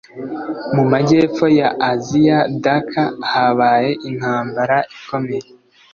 Mu majyepfo ya Aziya: Dhaka habaye intampambara ikomeye